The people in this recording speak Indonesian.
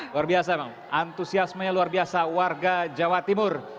luar biasa bang antusiasmenya luar biasa warga jawa timur